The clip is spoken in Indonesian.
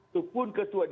tepun ketua dpd